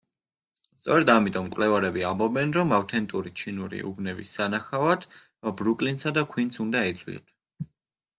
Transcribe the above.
სწორედ ამიტომ, მკვლევარები ამბობენ, რომ ავთენტური ჩინური უბნების სანახავად, ბრუკლინსა და ქუინსს უნდა ეწვიოთ.